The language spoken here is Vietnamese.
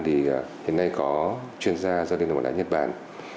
thì hiện nay có chuyên gia do liên đồng bóng đá nhật bản